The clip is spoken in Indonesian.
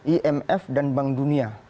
imf dan bank dunia